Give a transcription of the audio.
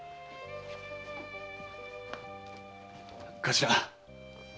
頭。